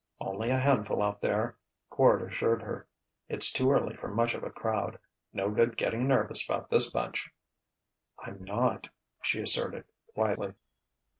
"Only a handful out there," Quard assured her. "It's too early for much of a crowd. No good getting nervous about this bunch." "I'm not," she asserted quietly.